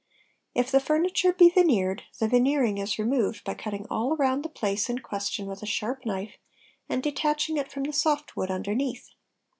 If the furniture be veneered, the veneering 1s removed by cutting all round the place in question with a sharp knife and detaching it from the soft wood underneath.